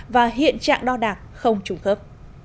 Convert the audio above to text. và hiện trạng đo đạc không trùng khớp